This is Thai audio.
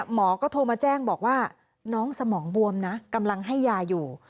หมอก็โทรมาแจ้งบอกว่าน้องสมองบวมนะกำลังให้ยาอยู่